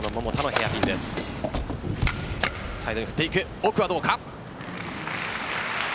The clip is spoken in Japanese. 奥はどうか。